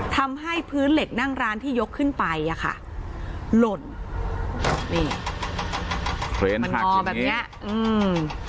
ทำให้พื้นเหล็กนั่งร้านที่ยกขึ้นไปอ่ะค่ะหล่นนี่เครนมันงอแบบเนี้ยอืม